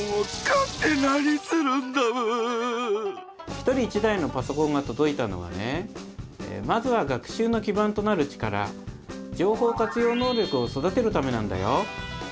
１人１台のパソコンが届いたのはねまずは学習の基盤となる力情報活用能力を育てるためなんだよ。